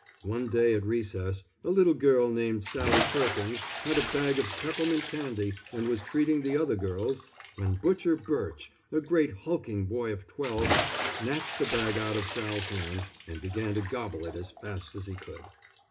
One day at recess, a little girl named Sally Perkins had a bag of peppermint candy and was treating the other girls, when Butcher Burch, a great hulking boy of twelve, snatched the bag out of Sal's hand and began to gobble it as fast as he could.